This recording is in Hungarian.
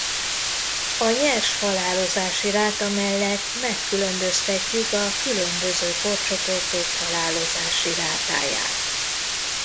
A nyers halálozási ráta mellett megkülönböztetjük a különböző korcsoportok halálozási rátáját.